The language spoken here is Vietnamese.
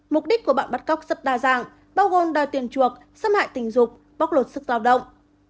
mục đích của bọn bắt cóc rất đa dạng bao gồm đòi tiền chuộc xâm hại tình dục bóc lột sức lao động